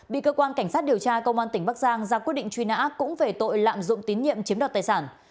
bị cơ quan cảnh sát điều tra công an tỉnh bắc giang ra quyết định truy nã cũng về tội lạm dụng tín nhiệm chiếm đoạt tài sản